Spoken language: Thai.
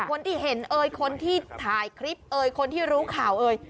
คนที่เห็นเอ่ยคนที่ถ่ายคลิปเอ่ยคนที่รู้ข่าวเอ่ย